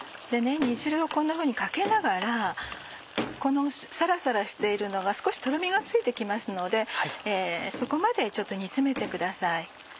煮汁をこんなふうにかけながらこのサラサラしているのが少しとろみがついて来ますのでそこまで煮詰めてください。